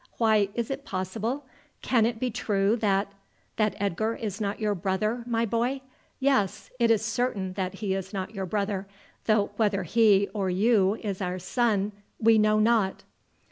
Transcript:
Why, is it possible, can it be true that " "That Edgar is not your brother, my boy? Yes, it is certain that he is not your brother, though whether he or you is our son we know not."